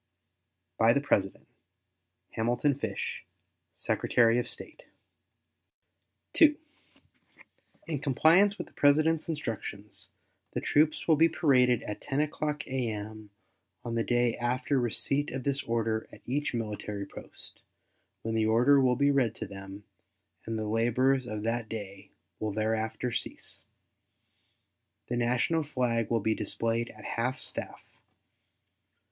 By the President: HAMILTON FISH, Secretary of State. II. In compliance with the President's instructions, the troops will be paraded at 10 o'clock a.m. on the day after the receipt of this order at each military post, when the order will be read to them, and the labors of that day will thereafter cease. The national flag will be displayed at half staff.